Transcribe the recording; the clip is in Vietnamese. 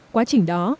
quá trình đó